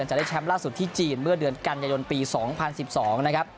จะได้แชมป์ล่าสุดที่จีนเมื่อเดือนกันยายนปี๒๐๑๒นะครับ